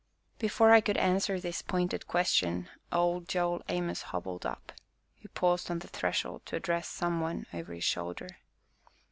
Before I could answer this pointed question, old Joel Amos hobbled up, who paused on the threshold to address some one over his shoulder.